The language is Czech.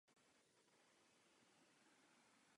Mořic Arnold de Forest uzavřel dva sňatky.